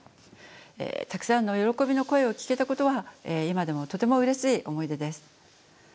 たくさんの喜びの声を聞けたことは今でもとてもうれしい思い出です。